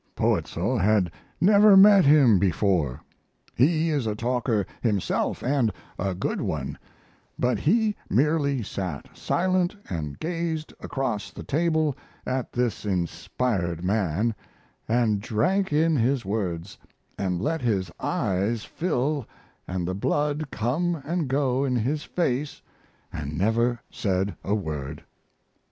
Poetzl had never met him before. He is a talker himself & a good one but he merely sat silent & gazed across the table at this inspired man, & drank in his words, & let his eyes fill & the blood come & go in his face & never said a word.